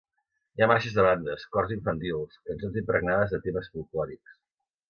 Hi ha marxes de bandes, cors infantils, cançons impregnades de temes folklòrics.